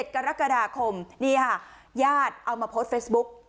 ๗กรกฎาคมหนี้ย่าดเอามาโพส์เฟสบุ๊ค